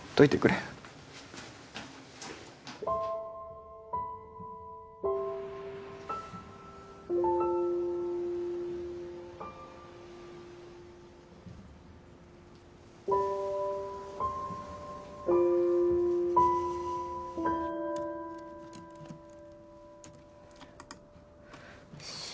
よし。